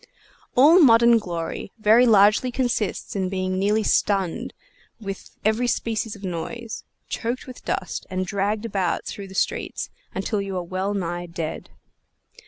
All modern glory very largely consists in being nearly stunned with every species of noise, choked with dust, and dragged about through the streets, until you are well nigh dead.